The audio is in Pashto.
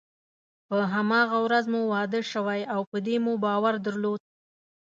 په هماغه ورځ مو واده شوی او په دې مو باور درلود.